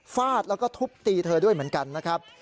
ฟาดแล้วก็ทุบตีเธอด้วยเหมือนกันนะครับ